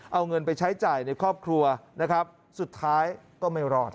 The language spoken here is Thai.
เอาเงินไปใช้จ่ายในครอบครัวนะครับสุดท้ายก็ไม่รอด